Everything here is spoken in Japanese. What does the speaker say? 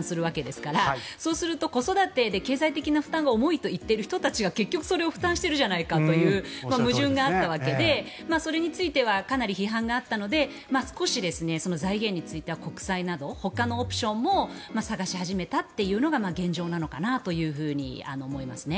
現役世代が負担するわけですからそうすると子育てで経済的な負担が重いと言っている人たちが結局それを負担しているじゃないかという矛盾があったわけでそれについてはかなり批判があったので少し、財源については国債などほかのオプションも探し始めたというのが現状なのかなと思います。